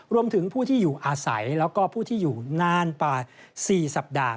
รวมถึงผู้ที่อยู่อาศัยแล้วก็ผู้ที่อยู่นานกว่า๔สัปดาห์